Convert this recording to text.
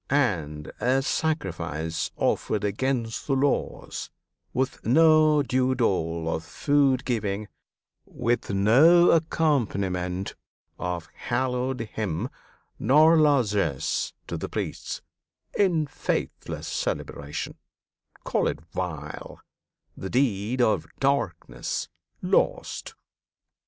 And a sacrifice Offered against the laws, with no due dole Of food giving, with no accompaniment Of hallowed hymn, nor largesse to the priests, In faithless celebration, call it vile, The deed of "Darkness!" lost!